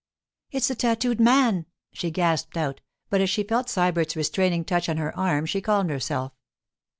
'It's the tattooed man!' she gasped out, but as she felt Sybert's restraining touch on her arm she calmed herself.